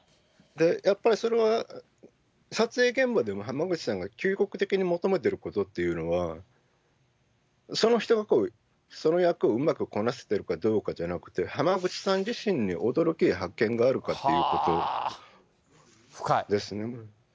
やっぱりそれは撮影現場でも、濱口さんが究極的に求めてることっていうのは、その人がその役をうまくこなせてるかどうかじゃなくて、濱口さん自身に驚きや発見があるかということですね。